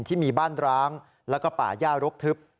ที่มีบ้านร้างแล้วก็ป่าย่ารกทึบ